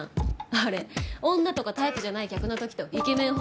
あれ女とかタイプじゃない客の時とイケメン細